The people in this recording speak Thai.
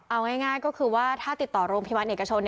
เอาง่ายก็คือว่าถ้าติดต่อโรงพยาบาลเอกชน